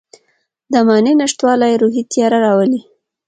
د معنی نشتوالی روحي تیاره راولي.